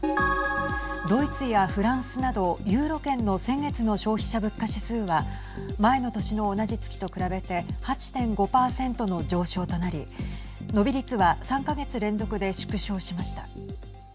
ドイツやフランスなどユーロ圏の先月の消費者物価指数は前の年の同じ月と比べて８．５％の上昇となり伸び率は３か月連続で縮小しました。